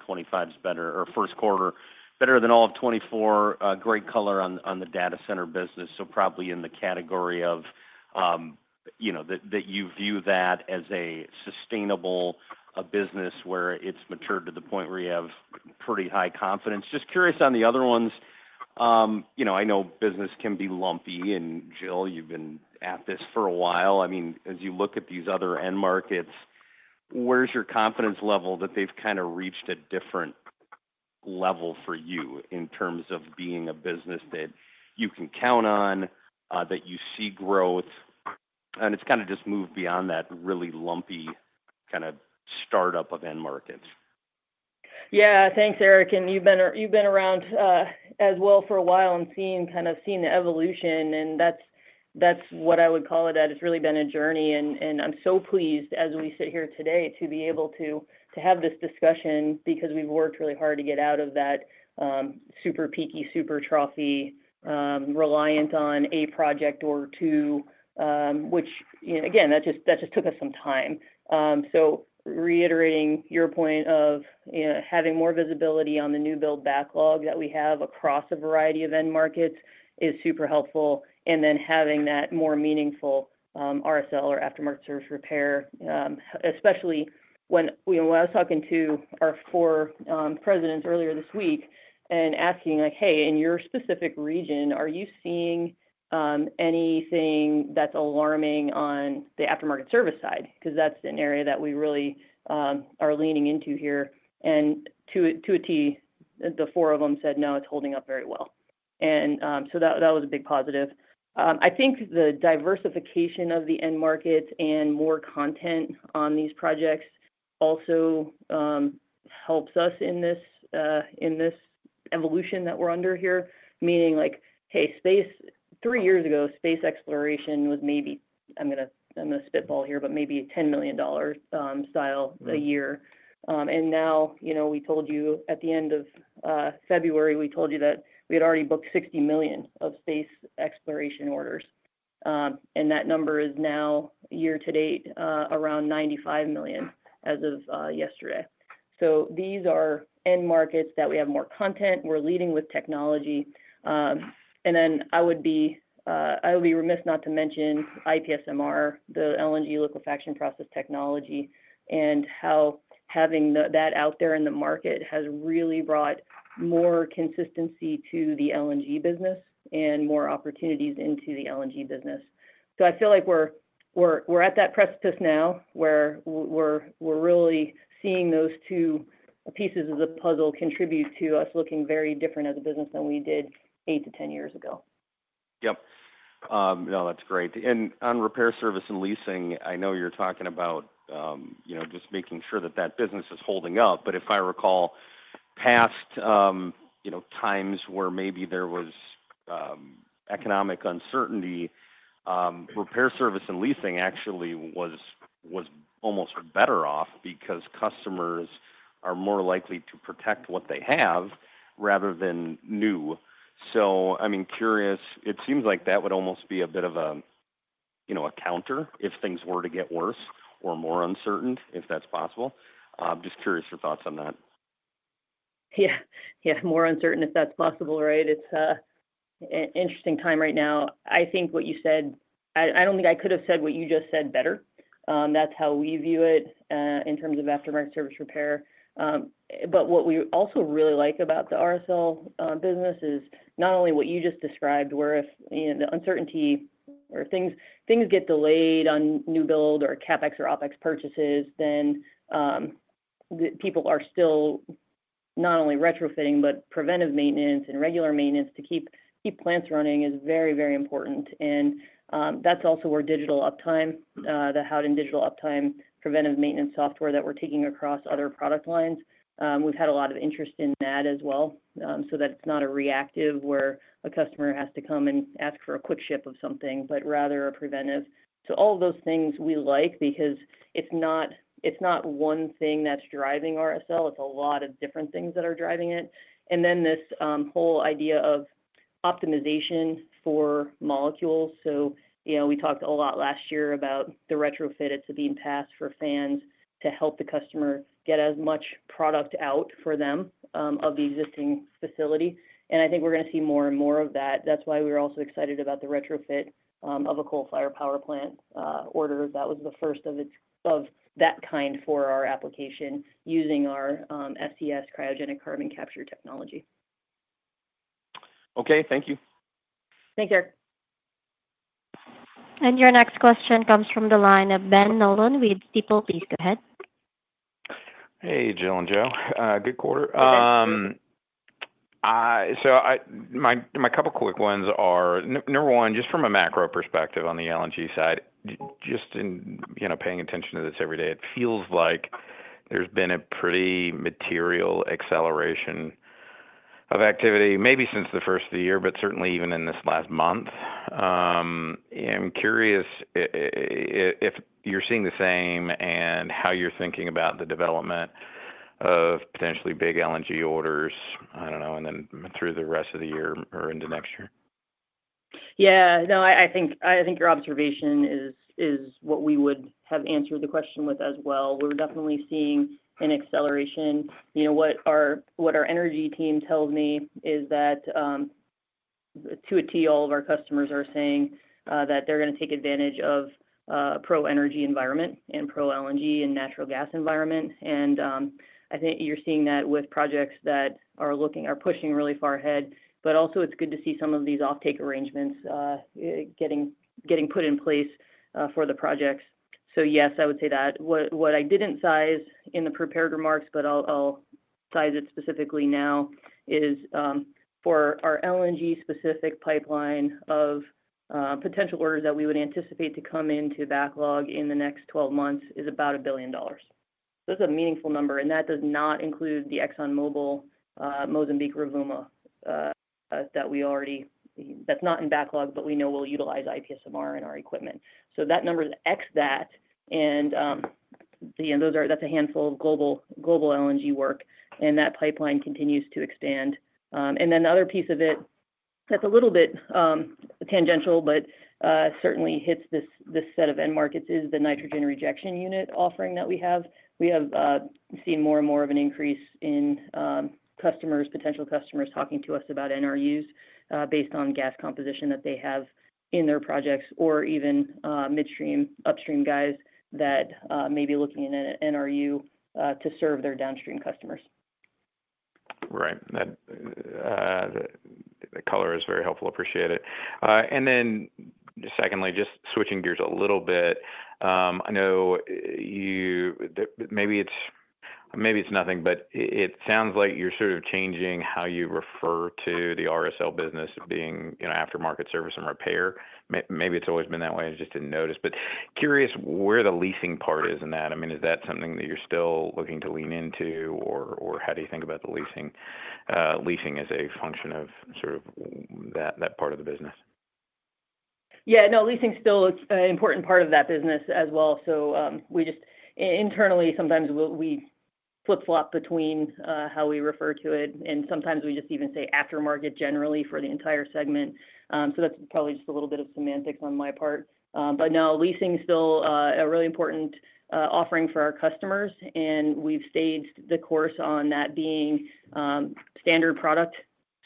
2025 is better or first quarter better than all of 2024. Great color on the data center business. Probably in the category of that you view that as a sustainable business where it's matured to the point where you have pretty high confidence. Just curious on the other ones. I know business can be lumpy. Jill, you've been at this for a while. I mean, as you look at these other end markets, where's your confidence level that they've kind of reached a different level for you in terms of being a business that you can count on, that you see growth? It's kind of just moved beyond that really lumpy kind of startup of end markets. Yeah. Thanks, Eric. You have been around as well for a while and kind of seen the evolution. That is what I would call it. That has really been a journey. I am so pleased as we sit here today to be able to have this discussion because we have worked really hard to get out of that super peaky, super trophy, reliant on a project or two, which, again, that just took us some time. Reiterating your point of having more visibility on the new build backlog that we have across a variety of end markets is super helpful. Having that more meaningful RSL or aftermarket service repair, especially when I was talking to our four presidents earlier this week and asking, "Hey, in your specific region, are you seeing anything that's alarming on the aftermarket service side?" Because that's an area that we really are leaning into here. To a T, the four of them said, "No, it's holding up very well." That was a big positive. I think the diversification of the end markets and more content on these projects also helps us in this evolution that we're under here, meaning like, "Hey, three years ago, space exploration was maybe, I'm going to spitball here, but maybe $10 million a year." Now we told you at the end of February, we told you that we had already booked $60 million of space exploration orders. That number is now year to date around $95 million as of yesterday. These are end markets that we have more content. We're leading with technology. I would be remiss not to mention IPSMR, the LNG liquefaction process technology, and how having that out there in the market has really brought more consistency to the LNG business and more opportunities into the LNG business. I feel like we're at that precipice now where we're really seeing those two pieces of the puzzle contribute to us looking very different as a business than we did 8 to 10 years ago. Yep. No, that's great. On repair service and leasing, I know you're talking about just making sure that that business is holding up. If I recall past times where maybe there was economic uncertainty, repair service and leasing actually was almost better off because customers are more likely to protect what they have rather than new. I'm curious. It seems like that would almost be a bit of a counter if things were to get worse or more uncertain, if that's possible. I'm just curious your thoughts on that. Yeah, yeah. More uncertain if that's possible, right? It's an interesting time right now. I think what you said, I don't think I could have said what you just said better. That's how we view it in terms of aftermarket service repair. What we also really like about the RSL business is not only what you just described, where if the uncertainty or things get delayed on new build or CapEx or OpEx purchases, people are still not only retrofitting, but preventive maintenance and regular maintenance to keep plants running is very, very important. That's also where Digital uptime, the Howden Digital uptime preventive maintenance software that we're taking across other product lines, we've had a lot of interest in that as well. That way it's not a reactive where a customer has to come and ask for a quick ship of something, but rather a preventive. All of those things we like because it's not one thing that's driving RSL. It's a lot of different things that are driving it. This whole idea of optimization for molecules. We talked a lot last year about the retrofit that's being passed for fans to help the customer get as much product out for them of the existing facility. I think we're going to see more and more of that. That's why we're also excited about the retrofit of a coal-fired power plant order. That was the first of that kind for our application using our SES cryogenic carbon capture technology. Okay. Thank you. Thanks, Eric. Your next question comes from the line of Ben Nolan with Stifel. Please go ahead. Hey, Jill and Joe. Good quarter. My couple of quick ones are, number one, just from a macro perspective on the LNG side, just in paying attention to this every day, it feels like there's been a pretty material acceleration of activity maybe since the first of the year, but certainly even in this last month. I'm curious if you're seeing the same and how you're thinking about the development of potentially big LNG orders, I don't know, and then through the rest of the year or into next year. Yeah. No, I think your observation is what we would have answered the question with as well. We're definitely seeing an acceleration. What our energy team tells me is that to a T, all of our customers are saying that they're going to take advantage of a pro-energy environment and pro-LNG and natural gas environment. I think you're seeing that with projects that are pushing really far ahead. It is good to see some of these offtake arrangements getting put in place for the projects. Yes, I would say that. What I didn't size in the prepared remarks, but I'll size it specifically now, is for our LNG-specific pipeline of potential orders that we would anticipate to come into backlog in the next 12 months is about $1 billion. That's a meaningful number. That does not include the ExxonMobil Mozambique Rovuma that we already know is not in backlog, but we know will utilize IPSMR in our equipment. That number is excluding that. That is a handful of global LNG work. That pipeline continues to expand. The other piece of it that is a little bit tangential, but certainly hits this set of end markets, is the nitrogen rejection unit offering that we have. We have seen more and more of an increase in customers, potential customers talking to us about NRUs based on gas composition that they have in their projects or even midstream, upstream guys that may be looking at an NRU to serve their downstream customers. Right. The color is very helpful. Appreciate it. Secondly, just switching gears a little bit, I know maybe it's nothing, but it sounds like you're sort of changing how you refer to the RSL business being aftermarket service and repair. Maybe it's always been that way. I just didn't notice. Curious where the leasing part is in that. I mean, is that something that you're still looking to lean into? Or how do you think about the leasing as a function of sort of that part of the business? Yeah. No, leasing still is an important part of that business as well. Internally, sometimes we flip-flop between how we refer to it. Sometimes we just even say aftermarket generally for the entire segment. That is probably just a little bit of semantics on my part. No, leasing is still a really important offering for our customers. We have staged the course on that being standard product.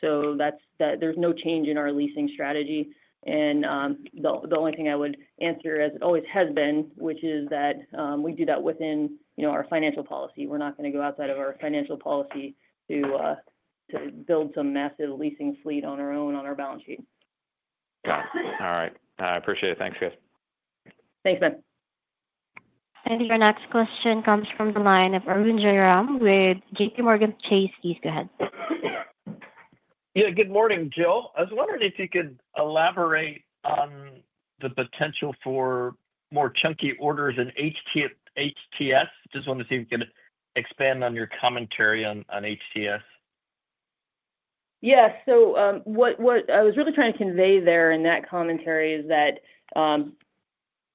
There is no change in our leasing strategy. The only thing I would answer, as it always has been, is that we do that within our financial policy. We are not going to go outside of our financial policy to build some massive leasing fleet on our own on our balance sheet. Got it. All right. I appreciate it. Thanks, Jill. Thanks, Ben. Your next question comes from the line of Arun Jayaram with JPMorgan Chase. Please go ahead. Yeah. Good morning, Jill. I was wondering if you could elaborate on the potential for more chunky orders in HTS. Just wanted to see if you could expand on your commentary on HTS. Yeah. What I was really trying to convey there in that commentary is that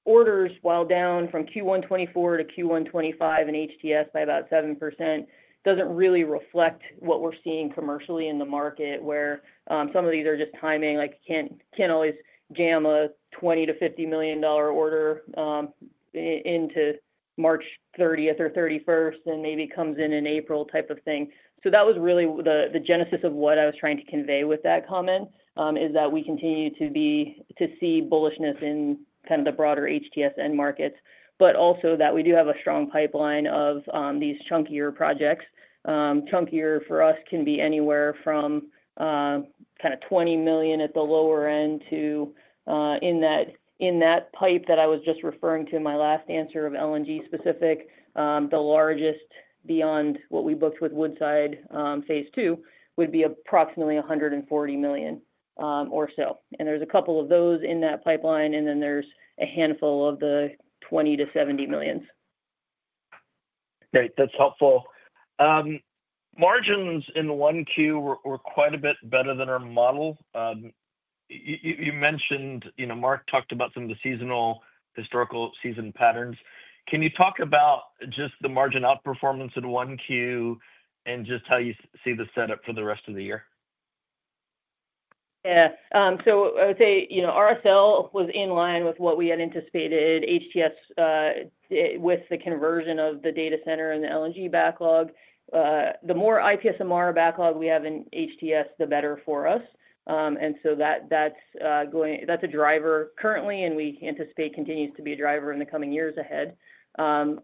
orders, while down from Q1 2024 to Q1 2025 in HTS by about 7%, does not really reflect what we are seeing commercially in the market where some of these are just timing. You cannot always jam a $20 million-$50 million order into March 30th or 31st and maybe it comes in in April type of thing. That was really the genesis of what I was trying to convey with that comment, that we continue to see bullishness in kind of the broader HTS end markets, but also that we do have a strong pipeline of these chunkier projects. Chunkier for us can be anywhere from kind of $20 million at the lower end to in that pipe that I was just referring to in my last answer of LNG-specific, the largest beyond what we booked with Woodside phase II would be approximately $140 million or so. There are a couple of those in that pipeline. There is a handful of the $20 million-$70 million. Great. That's helpful. Margins in 1Q were quite a bit better than our model. You mentioned Marc talked about some of the historical season patterns. Can you talk about just the margin outperformance in 1Q and just how you see the setup for the rest of the year? Yeah. I would say RSL was in line with what we had anticipated, HTS with the conversion of the data center and the LNG backlog. The more IPSMR backlog we have in HTS, the better for us. That is a driver currently, and we anticipate continues to be a driver in the coming years ahead. On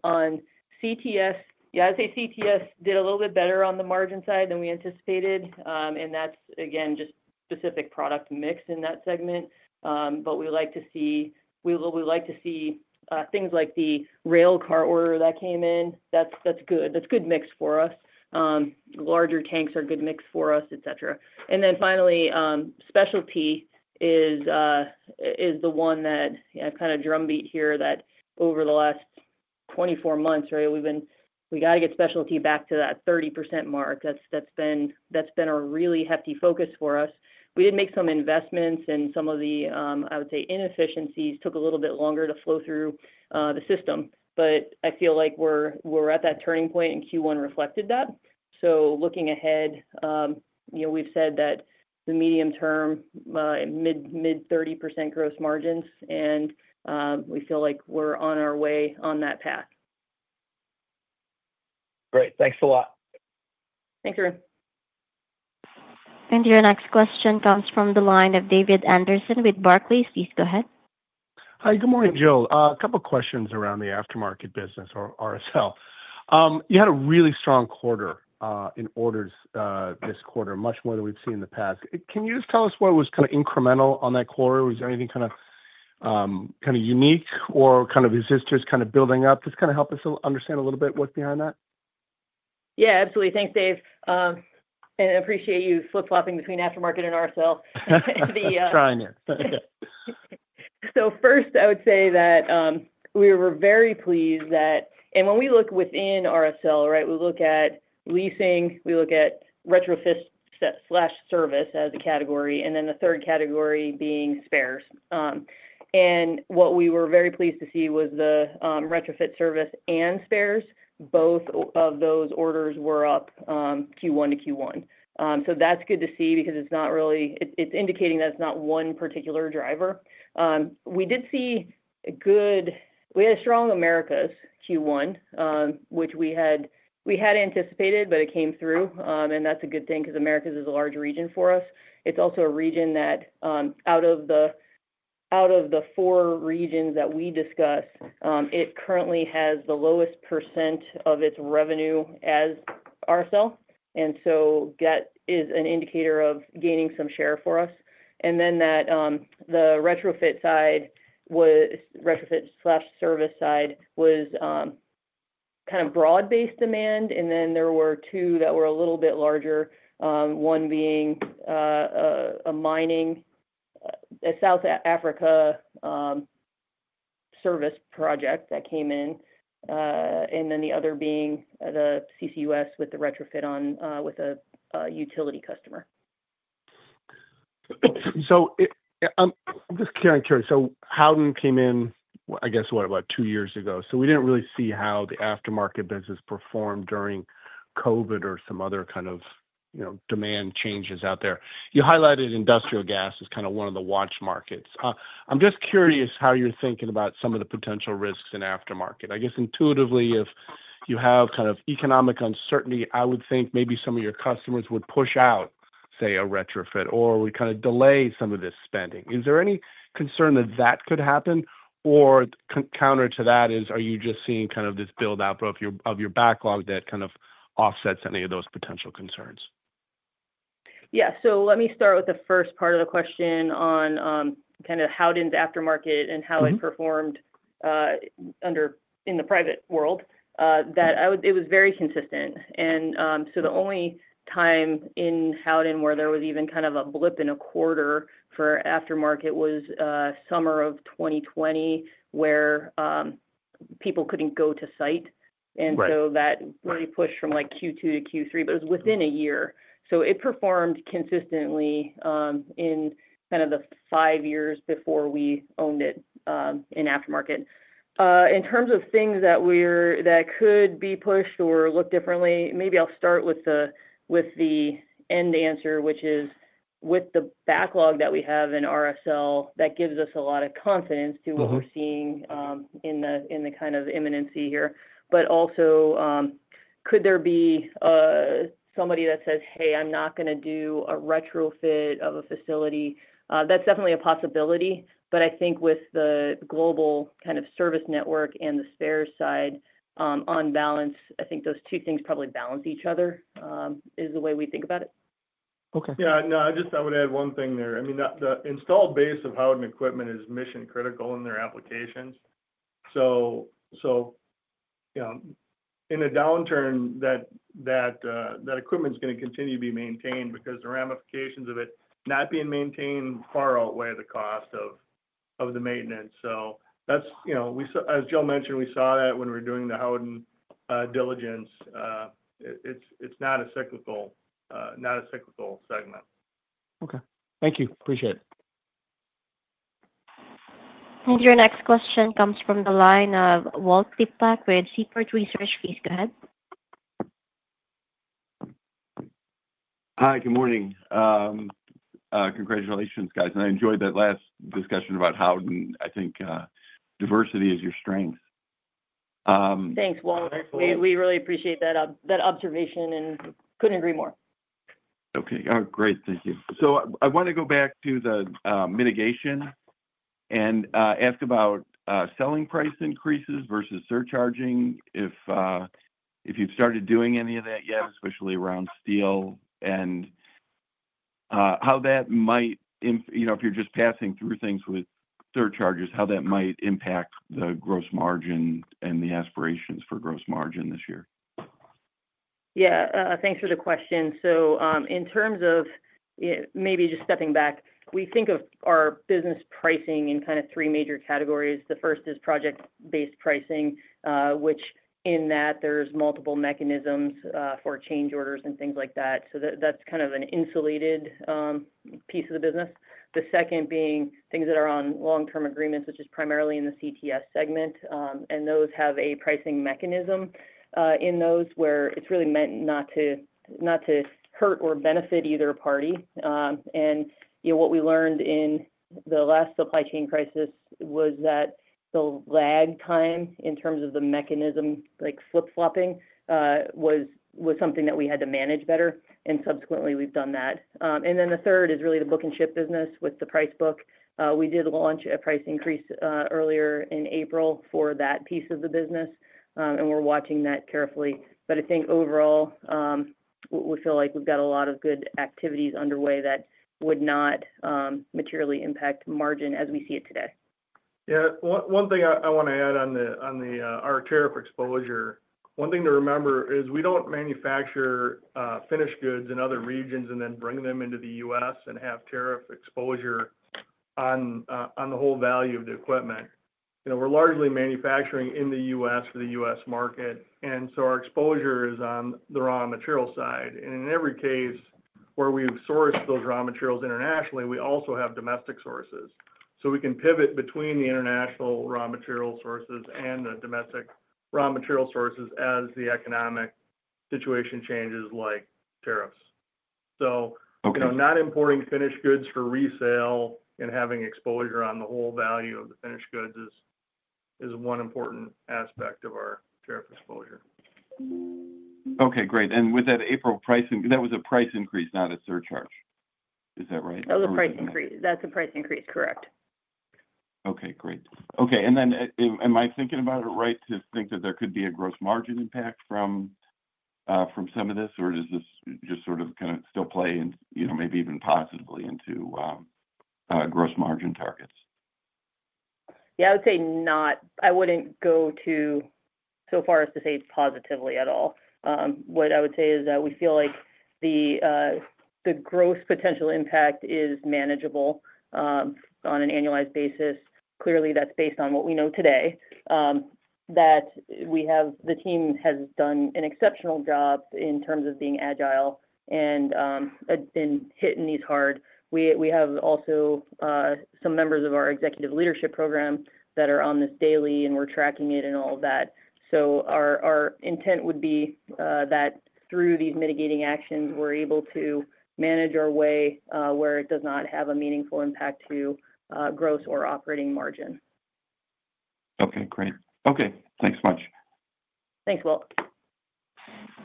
CTS, yeah, I'd say CTS did a little bit better on the margin side than we anticipated. That is, again, just specific product mix in that segment. We like to see things like the railcar order that came in. That is good. That is a good mix for us. Larger tanks are a good mix for us, et cetera. Finally, specialty is the one that I kind of drumbeat here that over the last 24 months, right, we've been we got to get specialty back to that 30% mark. That's been a really hefty focus for us. We did make some investments, and some of the, I would say, inefficiencies took a little bit longer to flow through the system. I feel like we're at that turning point, and Q1 reflected that. Looking ahead, we've said that the medium term, mid 30% gross margins, and we feel like we're on our way on that path. Great. Thanks a lot. Thanks, Arun. Your next question comes from the line of David Anderson with Barclays. Please go ahead. Hi. Good morning, Jill. A couple of questions around the aftermarket business or RSL. You had a really strong quarter in orders this quarter, much more than we've seen in the past. Can you just tell us what was kind of incremental on that quarter? Was there anything kind of unique or kind of is this just kind of building up? Just kind of help us understand a little bit what's behind that. Yeah. Absolutely. Thanks, Dave. I appreciate you flip-flopping between aftermarket and RSL. I'm trying it. First, I would say that we were very pleased that, and when we look within RSL, right, we look at leasing, we look at retrofit/service as a category, and then the third category being spares. What we were very pleased to see was the retrofit service and spares. Both of those orders were up Q1 to Q1. That is good to see because it is not really, it is indicating that it is not one particular driver. We did see good, we had a strong Americas Q1, which we had anticipated, but it came through. That is a good thing because Americas is a large region for us. It is also a region that out of the four regions that we discuss, it currently has the lowest percent of its revenue as RSL. That is an indicator of gaining some share for us. The retrofit/service side was kind of broad-based demand. There were two that were a little bit larger, one being a mining, a South Africa service project that came in, and then the other being the CCUS with the retrofit on with a utility customer. I'm just curious. Howden came in, I guess, what, about two years ago. We didn't really see how the aftermarket business performed during COVID or some other kind of demand changes out there. You highlighted industrial gas as kind of one of the watch markets. I'm just curious how you're thinking about some of the potential risks in aftermarket. I guess intuitively, if you have kind of economic uncertainty, I would think maybe some of your customers would push out, say, a retrofit or would kind of delay some of this spending. Is there any concern that that could happen? Counter to that is, are you just seeing kind of this build-out of your backlog that kind of offsets any of those potential concerns? Yeah. Let me start with the first part of the question on kind of Howden's aftermarket and how it performed in the private world. It was very consistent. The only time in Howden where there was even kind of a blip in a quarter for aftermarket was summer of 2020 where people could not go to site. That really pushed from Q2 to Q3, but it was within a year. It performed consistently in kind of the five years before we owned it in aftermarket. In terms of things that could be pushed or look differently, maybe I'll start with the end answer, which is with the backlog that we have in RSL, that gives us a lot of confidence to what we're seeing in the kind of imminency here. Also, could there be somebody that says, "Hey, I'm not going to do a retrofit of a facility"? That's definitely a possibility. I think with the global kind of service network and the spares side on balance, I think those two things probably balance each other is the way we think about it. Okay. Yeah. No, I would add one thing there. I mean, the installed base of Howden equipment is mission-critical in their applications. In a downturn, that equipment is going to continue to be maintained because the ramifications of it not being maintained far outweigh the cost of the maintenance. As Jill mentioned, we saw that when we were doing the Howden diligence. It's not a cyclical segment. Okay. Thank you. Appreciate it. Your next question comes from the line of Walt Liptak with Seaport Research. Please go ahead. Hi. Good morning. Congratulations, guys. I enjoyed that last discussion about Howden. I think diversity is your strength. Thanks, Walt. Thanks, Walt. We really appreciate that observation and couldn't agree more. Okay. Great. Thank you. I want to go back to the mitigation and ask about selling price increases versus surcharging. If you've started doing any of that yet, especially around steel and how that might, if you're just passing through things with surcharges, how that might impact the gross margin and the aspirations for gross margin this year. Yeah. Thanks for the question. In terms of maybe just stepping back, we think of our business pricing in kind of three major categories. The first is project-based pricing, which in that there's multiple mechanisms for change orders and things like that. That is kind of an insulated piece of the business. The second being things that are on long-term agreements, which is primarily in the CTS segment. Those have a pricing mechanism in those where it's really meant not to hurt or benefit either party. What we learned in the last supply chain crisis was that the lag time in terms of the mechanism, like flip-flopping, was something that we had to manage better. Subsequently, we've done that. The third is really the book-and-ship business with the price book. We did launch a price increase earlier in April for that piece of the business, and we are watching that carefully. I think overall, we feel like we have got a lot of good activities underway that would not materially impact margin as we see it today. Yeah. One thing I want to add on our tariff exposure, one thing to remember is we do not manufacture finished goods in other regions and then bring them into the U.S. and have tariff exposure on the whole value of the equipment. We are largely manufacturing in the U.S. for the U.S. market. Our exposure is on the raw material side. In every case where we have sourced those raw materials internationally, we also have domestic sources. We can pivot between the international raw material sources and the domestic raw material sources as the economic situation changes like tariffs. Not importing finished goods for resale and having exposure on the whole value of the finished goods is one important aspect of our tariff exposure. Okay. Great. With that April pricing, that was a price increase, not a surcharge. Is that right? That was a price increase. That's a price increase. Correct. Okay. Great. Okay. Am I thinking about it right to think that there could be a gross margin impact from some of this, or does this just sort of kind of still play in maybe even positively into gross margin targets? Yeah. I would say not. I would not go so far as to say positively at all. What I would say is that we feel like the gross potential impact is manageable on an annualized basis. Clearly, that is based on what we know today, that the team has done an exceptional job in terms of being agile and been hitting these hard. We have also some members of our executive leadership program that are on this daily, and we are tracking it and all of that. Our intent would be that through these mitigating actions, we are able to manage our way where it does not have a meaningful impact to gross or operating margin. Okay. Great. Okay. Thanks so much. Thanks, Walt.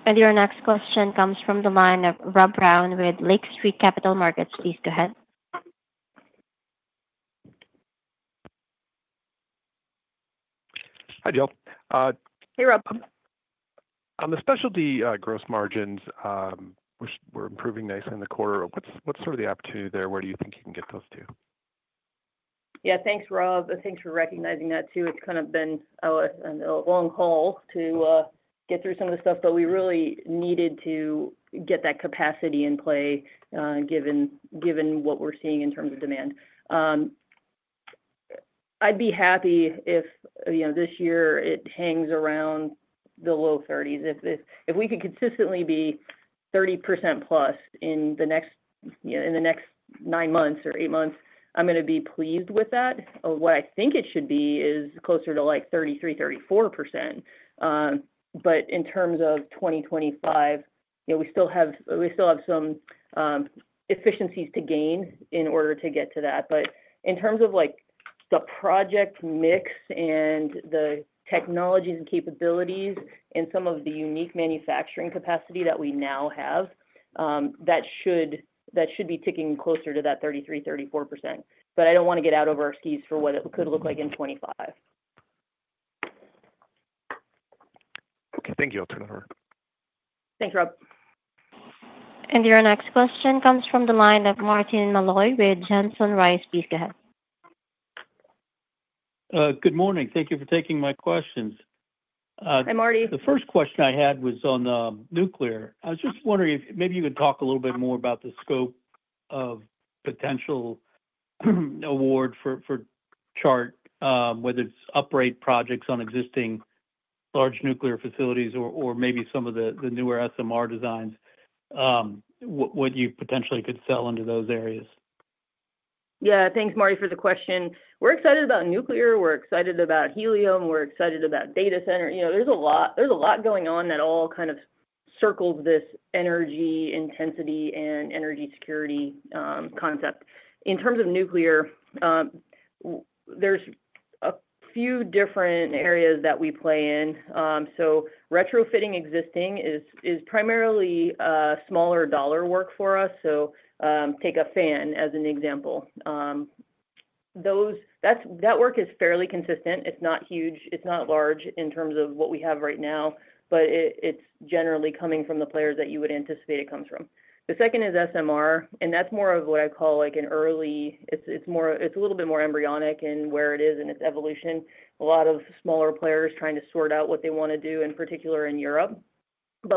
Your next question comes from the line of Rob Brown with Lake Street Capital Markets. Please go ahead. Hi, Jill. Hey, Rob. On the specialty gross margins, which were improving nicely in the quarter, what's sort of the opportunity there? Where do you think you can get those to? Yeah. Thanks, Rob. Thanks for recognizing that too. It's kind of been a long haul to get through some of the stuff, but we really needed to get that capacity in play given what we're seeing in terms of demand. I'd be happy if this year it hangs around the low 30s. If we could consistently be 30% plus in the next nine months or eight months, I'm going to be pleased with that. What I think it should be is closer to like 33%-34%. In terms of 2025, we still have some efficiencies to gain in order to get to that. In terms of the project mix and the technologies and capabilities and some of the unique manufacturing capacity that we now have, that should be ticking closer to that 33%-34%. I don't want to get out over our skis for what it could look like in 2025. Okay. Thank you. I'll turn it over. Thanks, Rob. Your next question comes from the line of Martin Malloy with Johnson Rice. Please go ahead. Good morning. Thank you for taking my questions. Hi, Marty. The first question I had was on nuclear. I was just wondering if maybe you could talk a little bit more about the scope of potential award for Chart, whether it's upright projects on existing large nuclear facilities or maybe some of the newer SMR designs, what you potentially could sell into those areas. Yeah. Thanks, Marty, for the question. We're excited about nuclear. We're excited about helium. We're excited about data center. There's a lot going on that all kind of circles this energy, intensity, and energy security concept. In terms of nuclear, there's a few different areas that we play in. Retrofitting existing is primarily smaller dollar work for us. Take a fan as an example. That work is fairly consistent. It's not huge. It's not large in terms of what we have right now, but it's generally coming from the players that you would anticipate it comes from. The second is SMR, and that's more of what I call an early it's a little bit more embryonic in where it is and its evolution. A lot of smaller players trying to sort out what they want to do in particular in Europe.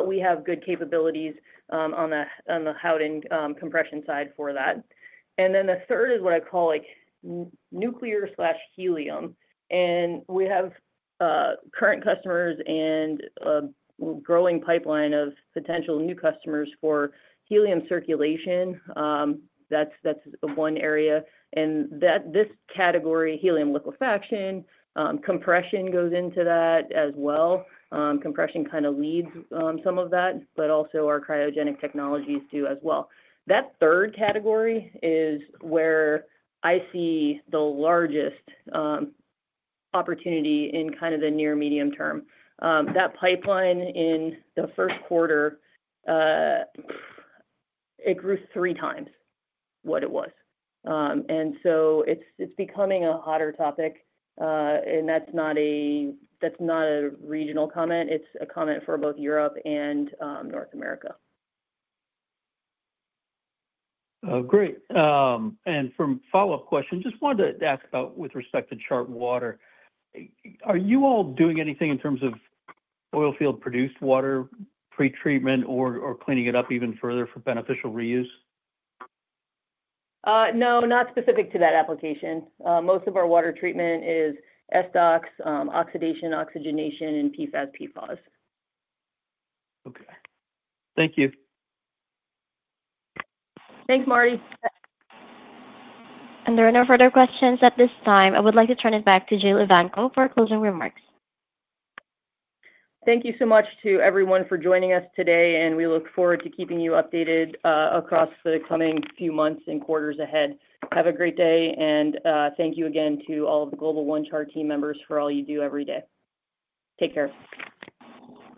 We have good capabilities on the Howden compression side for that. The third is what I call nuclear/helium. We have current customers and a growing pipeline of potential new customers for helium circulation. That is one area. In this category, helium liquefaction, compression goes into that as well. Compression kind of leads some of that, but also our cryogenic technologies do as well. That third category is where I see the largest opportunity in kind of the near medium term. That pipeline in the first quarter, it grew three times what it was. It is becoming a hotter topic. That is not a regional comment. It is a comment for both Europe and North America. Great. For follow-up question, just wanted to ask about with respect to ChartWater. Are you all doing anything in terms of oil field-produced water, pretreatment, or cleaning it up even further for beneficial reuse? No, not specific to that application. Most of our water treatment is SDOX, oxidation, oxygenation, and PFAS, PFOS. Okay. Thank you. Thanks, Marty. There are no further questions at this time. I would like to turn it back to Jill Evanko for closing remarks. Thank you so much to everyone for joining us today, and we look forward to keeping you updated across the coming few months and quarters ahead. Have a great day. Thank you again to all of the Global One Chart team members for all you do every day. Take care.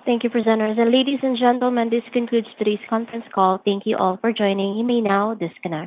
Thank you, presenters. Ladies and gentlemen, this concludes today's conference call. Thank you all for joining. You may now disconnect.